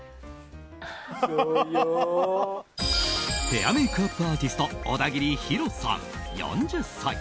ヘアメイクアップアーティスト小田切ヒロさん、４０歳。